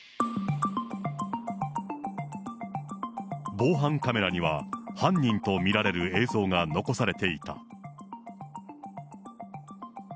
防犯カメラには、犯人と見られる映像が残されていた。